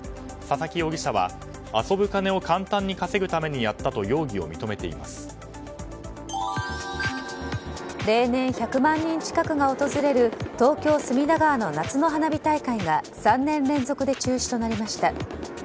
佐々木容疑者は遊ぶ金を簡単に稼ぐために例年１００万人近くが訪れる東京・隅田川の夏の花火大会が３年連続で中止となりました。